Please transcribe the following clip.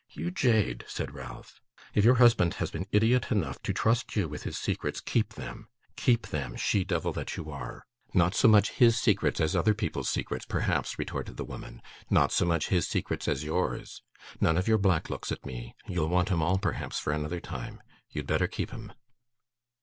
'You jade,' said Ralph, 'if your husband has been idiot enough to trust you with his secrets, keep them; keep them, she devil that you are!' 'Not so much his secrets as other people's secrets, perhaps,' retorted the woman; 'not so much his secrets as yours. None of your black looks at me! You'll want 'em all, perhaps, for another time. You had better keep 'em.